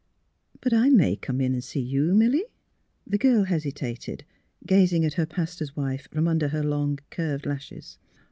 '^ But I may come in and see you, Milly? " The girl hesitated, gazing at her pastor's wife from under her long, curved lashes.